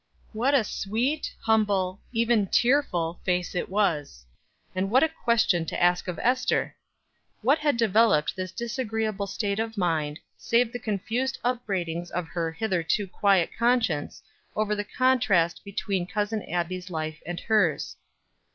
What a sweet, humble, even tearful, face it was! And what a question to ask of Ester! What had developed this disagreeable state of mind save the confused upbraidings of her hitherto quiet conscience over the contrast between Cousin Abbie's life and hers.